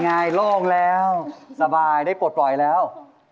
โล่งแล้วสบายได้ปลดปล่อยแล้ว